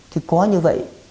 thì có như vậy